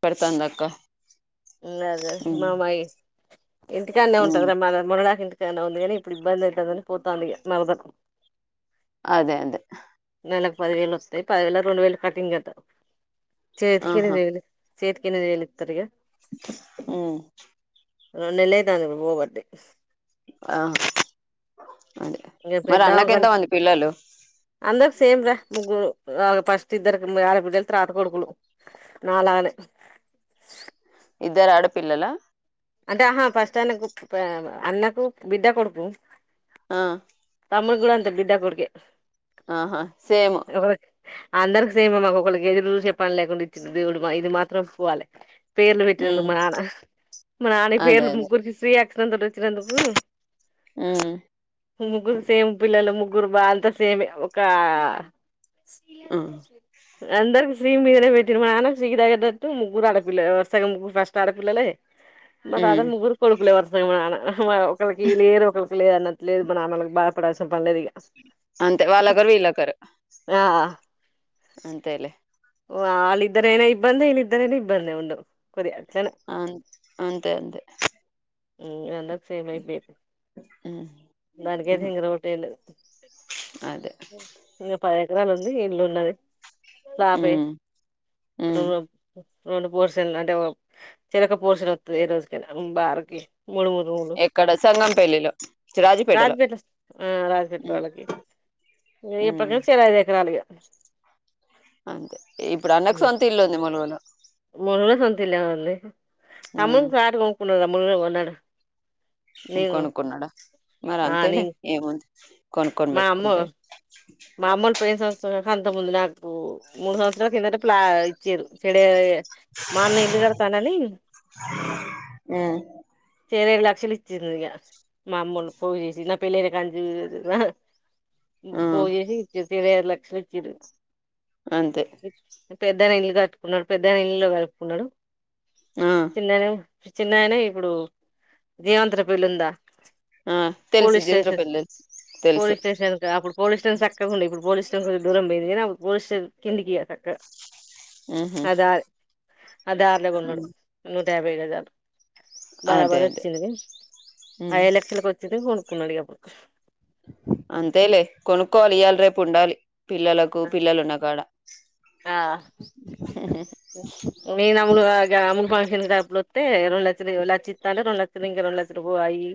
పెడతాందక్క లే మామయి ఇంటికాడనే ఉమ్ ఉంటుంది రమ్ మ మురళకి ఇంటికి నా ఉంది కానీ ఇప్పుడు ఇబ్బంది అయితాందని పోతుంది మరదల అదే అదే నెలలకు పది వేలు వస్తాయి పదివేల రెండు వేలు కటింగ్ అట్ట చేతిఇగ ఆహా తగలె చేతికింద వెలిస్తారుగా ఉ ఉ నెల అయితది పోబద్ది ఆహ్ ఇంక పెద్దాముకని అందకు సేమ్ రా ముగ్గురు ఆ ఫస్ట్ ఇద్దరికి ఆడ బిడ్డలు తర్వాత కొడుకులు నాలాగానే ఇద్దరు ఆడపిల్లలా అంటే ఆహా ఫస్ట్ ఆయనకు అన్నకు బిడ్డ కొడుకు ఆహ్ తమ్ముడుకూడా అంత బిడ్డ కొడుకే ఆహా సేమ్ అందరికి సేమ్ మాకు ఒకరికి ఎదురు చెప్పను లేకుండా ఇచ్చ దేవుడుమా ఇది మాత్రం ఒప్పుకోవాలి పేర్లు పెట్టినందుకు ఉమ్ మా నాన్న మా నాన్న అదే పేర్లు అదే ముగ్గురికి శ్రీయాక్ ఎంటడి ఇచ్చినందుకు ఉమ్ ముగ్గురు సేమ్ పిల్లలు ముగ్గురు బా అంతా సేమి ఒక- ఉమ్ అందరు సి మీదనే పెట్టిన మానసిరి దగట్టు ముగ్గురు ఆడపిల్లలు వర్సగా ము్గురు ఫస్ట్ ఆడపిల్లలే మా ఉమ్ రాధాకు ముగ్గురు కొడుకులు వరస [unintelligible] ఒకరికి లేరు ఒకరికి [unintelligible] నాన్నలకు బాధపడాల్సి వస్తుంది అంతే వాళ్ళకారు వీళ్ళకరు ఆ అంతేలే ఓ వళ్ళద్దరేనే ఇబ్బందంది ఇళ్ళిద్దరని ఇబ్బందంది ఉండు కొది అ అంతే అంతే హు అందరికీ సేమ్ అయిపోయింది హు దానికైతే రొటీన్ అదే [unintelligible] ఎరాలు ఉంది ఇల్లు ఉన్నది ఫ్లాప్ [inaudible] ఉమ్ ఉమ్ రెండు పోర్సున్ అంటే చిరక పోర్సులు వస్తుంది ఏ రోజుక బారకి మూడు మూడు రూములు ఎక్కడ సంగంపల్లిలో రాజపేల్లి రాజపేట రాజపేటలో వాళ్ళకి ఈ ప్రక్క ఉమ్ నుంచిరైదు ఎకరాలుగా అంతే ఇప్పుడు అన్నకు సొంత ఇల్లు ఉంది ములుగులో మూడు సొంతిల్లే ఉంది ఉమ్ తమ్మునికి ఫ్లాట్ కొనుకుంటునామ్ మొన్ననే కొన్నాడు ఇ నేను కొనుక్కున్నాడా మరి ఆ అంతేలే నేను ఏముం మా అమ్మ కొనుక్కొనిబెట్టుకుంటే మా అమ్మోలు పోయేసి వచి హా అంత ముందు నాక్ మ్మ్ మూడు సంవత్సరాల కిందట ఫ్ల ఇచ్చిరు చెడు మా అన్న ఇల్లు కడతాండని హ్మ్. ఈర్వేయైదు లక్షలు ఇచ్చిందిక మా అమూలు పోయి చేసి నా పెళ్ళైన కాడా నుంచి ఆ పోగేసి ఇరవైఐదు లక్షలు ఇచ్చిరు అంతే పెద్దైన ఇల్లు కట్టుకున్నాడు పెద్దైన ఇల్లులో కలుపుకున్నాడు ఆ చిన్నగనే చిన్నయినా ఇప్పుడు జీవంత పిల్లు ఉందా ఆ తెలుసు పోలీస్ స్టేషన్ జీంద్రపల్ తెలుస్ తెలుసు పోలీస్ స్టేషన్ అప్పుడు పోలీస్ స్టేషన్ చక్కకు ఉండ ఇప్పుడు పోలీస్టషన్ కొంచం దూరం పోయింది కానీ పోలీ స్టేషన్ కిందికి ఆ మ్మ్ హ్మ్ అదే దార్లో ఉన్నడు యాభై గజాలు అదే బరాబరు అదే వచ్చింది హ్మ్. ఐదు లక్షలలకు వచ్చిందు ఉన్నాడిగప్పుడు అంతేలే కొనుక్కోవాలి ఇయాలి రేపు ఉండాలి పిల్లలకు పిల్లలు ఉన్న కాడ ఆ నేను అములు అమ్మ ఫంక్షన్ డపులు వస్తే రెండు లక్షలు ఓ లచ్చ ఇస్తా అంటే రెండు లక్షలు ఇంకా రెండు లక్షలు పోయి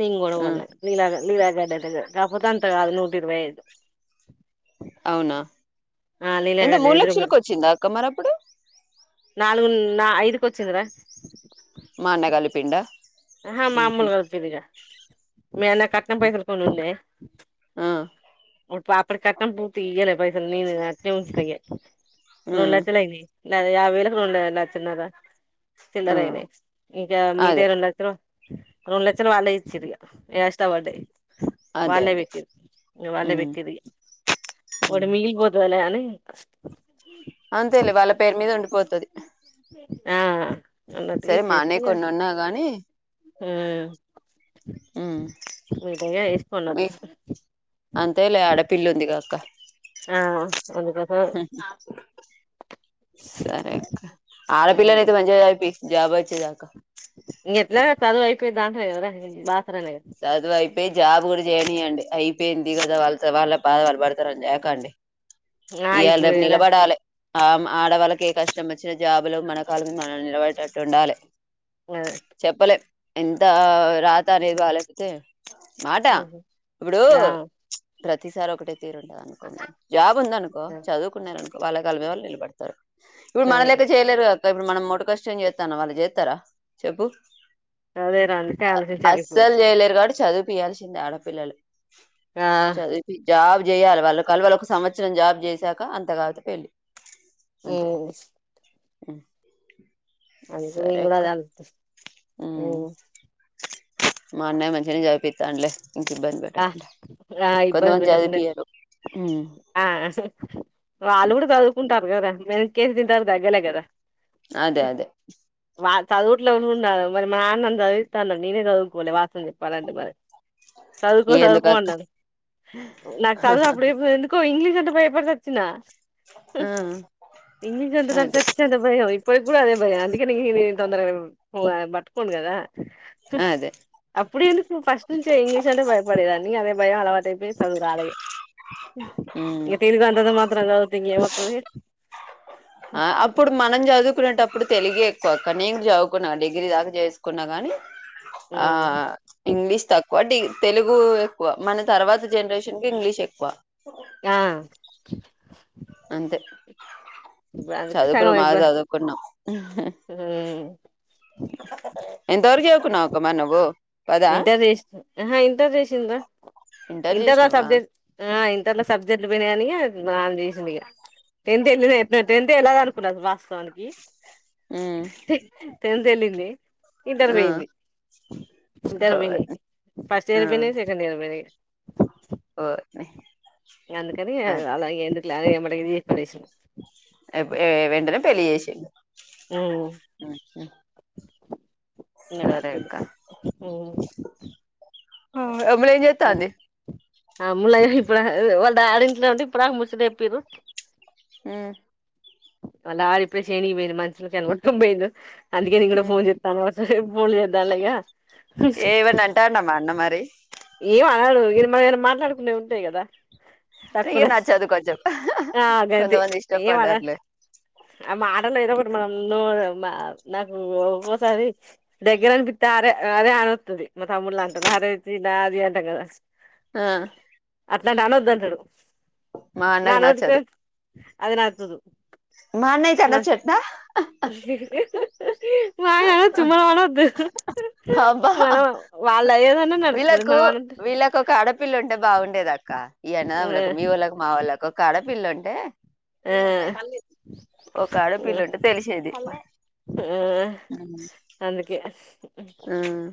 ని గుడా ఆ పోన్లే నీలాగే నీలాగే కపోత అంతగా లేదు నూటి ఇరవై ఐదు అవునా ఆ ఎంత లీలాగది మూడు ఎదురుంగా లక్షలకు వచ్చిందా అక్క మరప్పుడు నాలుగు నా ఐదుకు వచ్చింద్ర మా అన్న కలిపిండా హ ఉహు మామూలుగాలుతదిగ మి అన్న కట్నం పోయసక ఉన్న ఆ అప్పుడు కట్టనం పూర్తి ఇయ్యలే పైసలు నేను అట్ ఉంచయ ఉమ్ రొళతిలవి లే యా వేళకి ఉండద చిన్నదా ఉమ్ చిల్లరైనే ఇంకా అదే మీదేరు ఉన్న రెండు లక్షన వాళ్ళ ఇచ్చిరి ఎస్తా వాడ్డే అదే వాళ్ళే అదే బెట్టిర్ వాళ్ళే ఉమ్ బెట్టిర్రి ఓడు మిగిలిపోతాదిలే అని అంతే లే వాళ్ళ పేరు మీద ఉండిపోతది యా ఆ సరే మానేయ్కున్నున్నా గాని హూ ఊ వేసుకోండి మి అప్పుడు అంతేలే ఆడపిల్లుందిగా అక్క ఆ అందుకోసం ఆడపిల్లనైతే మంచిగా చదివిపీ జబ్ వచ్చేదాక ఇంగెట్లా చదువపోయే దాంట్లో [inaudible] సదువైపోయి జాబ్ గురి జేనీయండి అయిపోయింది గదా వాళ్ళ వాళ్ళ బాధ వాళ్ళ పడతారని చేకండి ఆ ఇయాళ ఇప్పుడు రేపు కదా నిలబడాలె ఆం ఆడవాళ్ళకి ఏ కష్టం వచ్చినా జాబులో మనకాలు మన నిలబటట్టు ఉండాలె చెప్పలే ఎంత రాత అనేది వాళ్ళ తే మాట అదే ఇప్పుడు ఆ ప్రతిసారి ఒకటి తీరు ఉండద అనుకో మేము జాబ్ ఉందనుకో చదువుకున్నానుకో వాళ్ళ కల్మ వాళ్ళు నిలబడతారు ఇప్పుడు అదే మనలేక చేయలేరు ఇప్పుడు మనం మొట కష్టం చేస్తాన వాళ్ళు చేస్తారా చెప్పు అదే రంకా ఆలోచించి ఆగిపోదు లేరు గాడు కాబట్టి చదువు పియాల్సిందే ఆడపిల్లలు ఆ చదివి జాబ్ చేయాలి వాళ్ళ కల్వళ ఒక సంవత్సరం జాబ్ చేసాక అంత కావాతే పెళ్ళి ఉం ఉ అది కూడ నేను కూడా అదే అనుకున్ ఉ ఉ మా అన్నయ్య మంచిగానే జవిపితాలే ఆ ఆ ఇబ్బంది కొంతమంది పెట్టకుండా చదివిపియ్యరు ఉమ్, ఆ.. వాళ్ళు కూడా చదువుకుంటారు కదా మ కేసు దర్రదా్గలా కదా [unintelligible] అదే అదే వా చదువుట్లో ఉన్నాన్నారు మరి మా నాన్న నన్ని చదివిస్తా అనరు నేనే చదువుకోవలే వస్తవం చెప్పాలంటే మరి చదువుకో చదువుకో ఎందుకక్క అన్నాలు నాకు చదువు అప్పుడేపుడో ఎందుకో ఇంగ్లీష్ అంత పేపర్ తెచ్చిన హ ఆ, ఇంగ్లీష్ అంటే నాకు అదే చచ్చేంత భయం ఇప్పటికి కూడా అదే భయం అందుకనే ఇంగ్లీష్ తొందరగ బట్కొ గదా తుష్ అదే అప్పుడే ఎందుకు నువ్వు ఫస్ట్ నుంచే ఎయ్యి పడేదాని అదే భయం అలవాటై పోయి చదువు రాంది ఉమ్. ఇ తీరుగా అంతంత మాత్రం చదువితె ఇంగ ఎం వత్తది. ఆ అప్పుడు మనం చదువు చదువుకునేటప్పుడు తెలుగ ఎక్కువక్క నేను చదువుకున్నా డిగ్రీ దాకా చేసుకున్నా కాని ఆ ఇంగ్లీష్ తక్ వటి తెలుగు ఎక్కువ మన తర్వాత జనరేషన్ కి ఇంగ్లీష్ ఎక్కువ ఆ అంతే అందుకే చదువుకూన సగం బా అయిపో చదువుకున్నా ఉమ్. ఎంతవరకు చావుకున్నావ్ అక్క నున్వు ఇంటర్ చేసి హాహా ఇంటర్ చేసింరా ఇంటర్ సబ్జెక్ట్ హ ఇంట ఇంటర్లో సబ్జెక్ట్లు పోయినాయని మానం తీసింది ఇగ టెంత్ వెళ్ళ ఎల్లనో టెంత్ అల్లాదనుకున్నా వాస్తవానికి ఉమ్ ది టెన్త్ వెళ్ళింది ఇంటర్ ఆ పోయింది ఇంటర్ హోయ్ పోయింది ఫస్ట్ ఇయర్ పోయింది సెకండ్ ఇయర్ పోయింది మరి ఓ అందుకనీ అలా ఎందుకులే అే పెళ్లి చేసి పడేసిన పెళ్ళిజేసిండు మ్మ్ మ్మ్ ఇంగ నాక్ తెల్వదు మ్మ్ ఆ అమ్ములు ఏంచెత్తాంది అ ములయ్య ఇప్పుడు వాళ్ళ ఆడింట్లో ఉంటే ఇప్పుడు ముచ్చడేప్పరు మ్మ్ అలా అని చెప్పి చేనికి పోయింది మనసును చెడగొట్టుకుని పోయింది అందుకే నేన్ ఉమ్ ఫోన్ చెతా [inaudible] ఏవన్న అంటానమ్మా అన్న మరి డు ఇ మ ఏ మాట్లాడుకునేవి ఉంటాయి కదా ఏ తక్కువనే నచ్చదు కొంచం ఆ కొంత గంతే మంది ఏం అనడు ఇష్టపడరులే ఆ మాటలు అయిన ఒకటి మనం నాకు ఒక్కోసారి దగ్గర అనిపిస్తతే అరే అరే అన వస్తుంది మా తమ్ముళ్లా అంటాన్నా అరే త నా అది అంటాం కదా ఆ అట్లాంటివి అనోద్ధాంటడు మా అన్నకు నానోటితో నచ్చదు అద నాతుదు మా అన్నయ్య కి మ నచ్చట్నా మా అనొచ్చు మనం అనవద్దు అబ్బా మనం వాళ్ళు అయ్యేదన్నా నడుతుంది మనం అన పిల్లుంటే బాగుండేదా కా ఇయ నోములకి మీ వోళ్లకి మా వొళ్ళకి కడపిల్ల అంటే ఆ ఎందమ్మాయ్ పల్ ఒక ఆడ పిల్లుంటే తెలిసేది ఆ అందుకే మ్మ్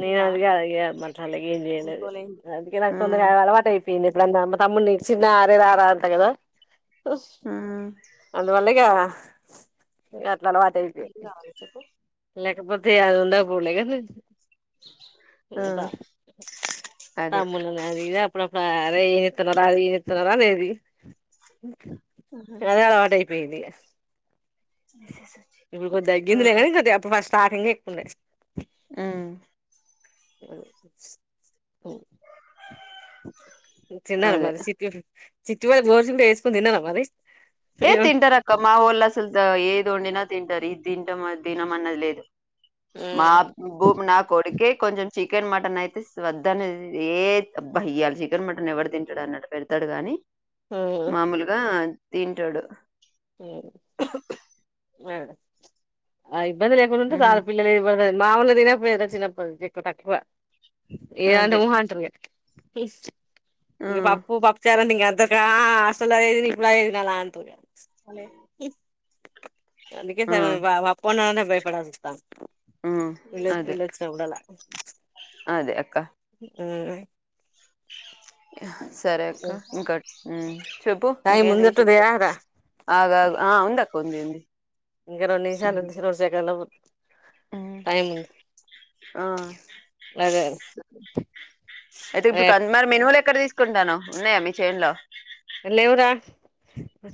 నను అే అగ మర్ చల్లగా ఏం చేయలేదు అందుకే నాక్ తొందగా ఉమ్ అలవాట్ అయిపో ప ఇప్పు తమ్ చిన్న ఆరే ఆరా అంతా కదా ఉమ్ అందువల్గా ఇ ఎ ఆవ చెప్పు లేకపోతే అది ఉందా [unintelligible] ఏంటా ఉమ్ అదే తమ్ములమ్యాది ఇద అప్పుడప్ రా అరే ఏంవెత్తున్నావురా, అది ఏంవిత్తున్నావురా అనేది ఇక అదే గదా ఆ టైపే ఇదిగా ఇప్పుడు కొద్దగిందిలే గానీ కొద్దిగా అప్పుడు ఫస్ట్ స్టాటే లేకుండె ఉమ్ [unintelligible] చిన్నార అదే మరి సికెన్ చిట్ట్ గోయల్ గోర్చికుడు వేసుకుని తిన్నావ మరి ఏ తింటారక్కమ్ మావోళ్ళస్సల్ద ఏ దొండినా తింటారి ఇది తింటాం అది తినం అన్నది లేదు. మా బూ నా కొడుకే కొంచెం చికెన్, మటన్ అయితే స్ వద్దన్నే ఏ అబ్బా ఇయ్యాలి, చికెన్ మటన్ ఎవరు తింటాడ అన్నట్డు పెడతాడుగా అని మామూలుగా తింటాడు హ్మ్మ్ హ్ [unintelligible] ప్చ్ అయి బడి లేకునుంటే హ్మ్. బాగా పిల్లలు [unintelligible] మామలుగా తినేప్ వేరే చిన్నప్పటినుంచి ఇప్పుడు తక్కువా ఏదంట అదే. ఊహాంట్రగా హాయెస్ట్ ఇగ హ్మ్. పాప్పు పాప్ప్ చారాండింగా త్ తోక్కా అసలుది అదేది ఇప్పుడు అదైదు నాల్లా అంతుర్రుగా ప్చ్ అల్లో అందుకే సగం [unintelligible] నాన్నే బయపడాకు హ్మ్మ్ అదే వచ్చినప్పుడలా అదే అక్క ఉ ప్చ్ ఆహా సరే అక్క ఇంకట్ హ్మ్ టైం ఇంకేంటి ముందట్టుదేయా విశేషాల్ రా ఆగ్ ఆగ్ ఆ ఉందక్ కొంది ఉంది ఇంకా రెన్ని నిమిషాలు ఉం సెకన్ లో అదే ఎయితే ఇప్పుడు మరి మేను లేక్క కుంటాను ఉన్నాయా మీ చేనలో లేవురా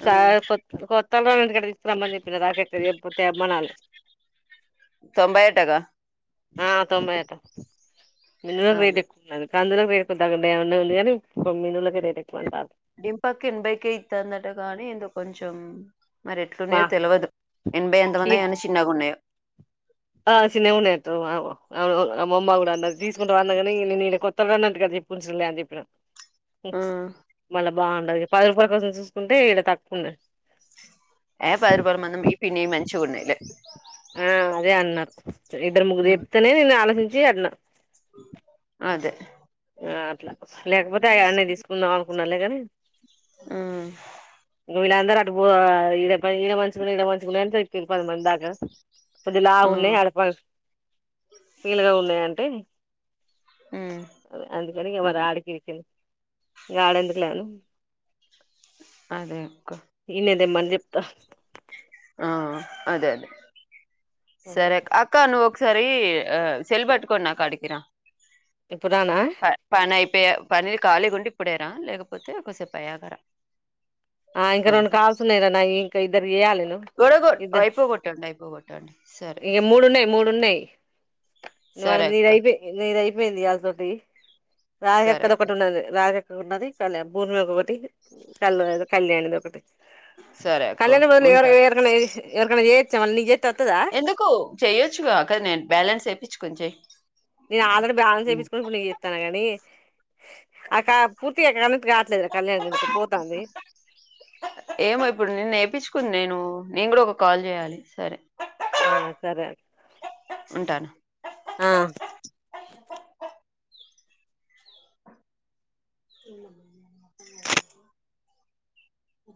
చ కొ కొ తల ఎ క విస్తమందిప్పిన రాక ఎపోతే అమ్మనాలు తొంభై అంటగా ఆ తొంభైట [unintelligible] అదే. కందులోర [unintelligible] ఉంది గాని కొమ్మ వాళ్ళకే రేట్ ఎక్కువ అం డింపక్ ఎపైకేతందట కానీ ఇ కొంచం మరి మా ఎట్లుండయదో తెలియదు ఎనభై వ ఎందల మంది అన్న చిన్నగా ఉన్నాయో ఆ సిన్నగా ఉన్నాయ్ అత్తో మా అమ్మ కూడా అన్న తీసుకుంటే వాన్నా కాని నేను ఈడ కొత్త అన్నట్టుగాదా నేన్ ఎప్పుడు చూడాలే అని చెప్పినా మ్మ్ ప్చ్ మళ్ళమ్ బాగుండదు పది రూపాయ కోసం చూసుకుంటే ఇడ తక్కు ఉండ ఏ పరుపురం మంద ఈ పిం మంచిగుంని లే ఆ అదే అన్నారు ఇద్దరు ముగ్గురు చెప్తేనే నేను ఆలోచిం జయన్నా అదే ఆ అట్లా లేకపోతే అ అన్న తీసుకుందాం అనుకున్నాలేగాని మ్మ్ ఇ వళ్ళందరూ ఇడ ఇ ఇడ మంచిగా ఇడ మంచిగ ఉన్నాయ్ [unintelligible] పది మందాక కొద్దిలావ్ మ్మ్ ఉన్నాయి ఆడ పీలుగా ఉన్నాయి అంటే మ్ అందుకని వా ఆడికి ఇగ వడందుకే లే అను అదే అక్క ఇడే తీన్మాన్ చెప్తా ఆ అదే అదే సరే అక్క అక్క నువ్ ఒకసారి ఆ చెల్బట్ కొన్నాకు అడుకిరా ఇప్పుడు రానా ప పనిరు ఖాళీ ఉండి ఇప్పుడేరా లేకపోతే ఒకసేపు అయాకా రా ఆ ఇంకా రెండు కాల్స్ ఉన్నాయి గా నాయి క ఇద్దరికి చేయాలె కూడా కొ అయిపో కొట్టండి అయిపో కొట్టండి సరే ను సరే అక్క నీరై నరై మంది అజడి సరే రాగకక్కద అక్క ఒకటి ఉన్నది రాగక్క ఉన్నది కళ్యాణ భూమిక్కొటి కళ్ళ కళ్యాణిది ఒకటి సరే అక్క కళ్యాణం బదు ఉంటా ఏ ఏ చే చమల్జ ఎందుకు చెయొచ్చుగా అ కదా నేను బ్యాలెన్స్ వేయించుకొని చే నేను ఆల్రెడ బ్యాలన్స్ వేపించుకున్నాడు నేన చేస్తానా గాని అక్క పూర్తి అ క అన్న కావట్లేదు కళ్యాణ దనికి పోతుంది ఏమో ఇప్పుడు నిన్న ఏపిచ్చుకుంది నేను కూడా ఒక కాల్ చేయాలి సరే ఆ సరే ఉంటాను ఆ ఒ